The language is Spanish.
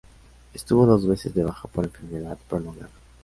Estuvo dos veces de baja por enfermedad prolongada.